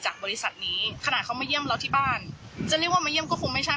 บริษัทนี้ขนาดเขามาเยี่ยมเราที่บ้านจะเรียกว่ามาเยี่ยมก็คงไม่ใช่